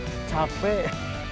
tidak saya capek